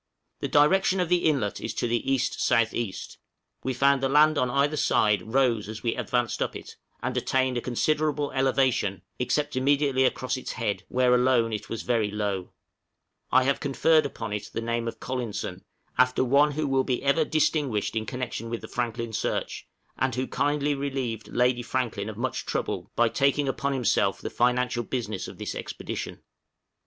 The direction of the inlet is to the E.S.E.; we found the land on either side rose as we advanced up it, and attained a considerable elevation, except immediately across its head, where alone it was very low; I have conferred upon it the name of Collinson, after one who will ever be distinguished in connection with the Franklin search, and who kindly relieved Lady Franklin of much trouble by taking upon himself the financial business of this expedition.